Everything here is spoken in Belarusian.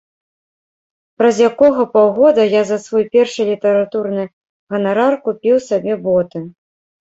Праз якога паўгода я за свой першы літаратурны ганарар купіў сабе боты.